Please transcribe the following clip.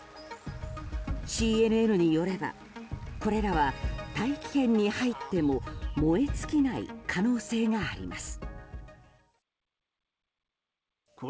ＣＮＮによればこれらは大気圏に入っても燃え尽きない可能性があります。